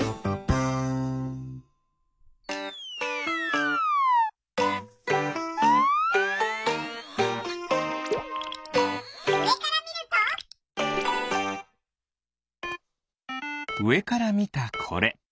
うえからみたこれ。